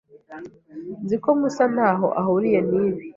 Nzi ko Musa ntaho ahuriye nibi.